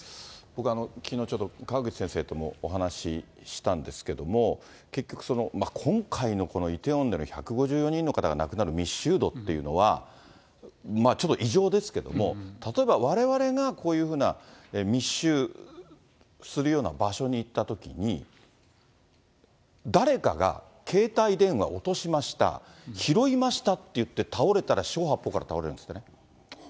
僕、きのうちょっと川口先生ともお話ししたんですけれども、結局、今回のこのイテウォンでの１５０人の方が亡くなる密集度っていうのは、ちょっと異常ですけども、例えばわれわれがこういうふうな密集するような場所に行ったときに、誰かが携帯電話落としました、拾いましたっていって倒れたら、四方八方から倒れるんですってね。